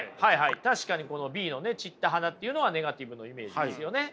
確かにＢの散った花っていうのはネガティブのイメージですよね。